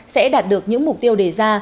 sẽ đạt được những mục tiêu đề ra